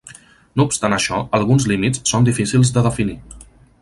No obstant això alguns límits són difícils de definir.